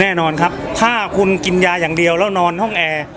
แน่นอนครับถ้าคุณกินยาอย่างเดียวแล้วนอนห้องแอร์